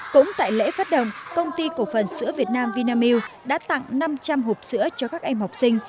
cũng tại lễ phát động công ty cổ phần sữa việt nam vinamilk đã tặng năm trăm linh hộp sữa cho các em học sinh